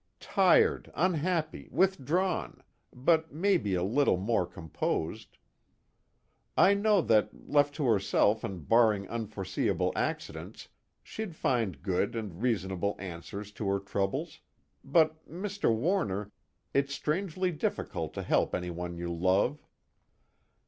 "Tired, unhappy, withdrawn but maybe a little more composed. I knew that, left to herself and barring unforeseeable accidents, she'd find good and reasonable answers to her troubles, but Mr. Warner, it's strangely difficult to help anyone you love."